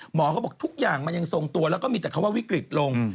เขาบอกทุกอย่างมันยังทรงตัวแล้วก็มีแต่คำว่าวิกฤตลง